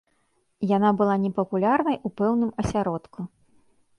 Яна была непапулярнай у пэўныя асяродку.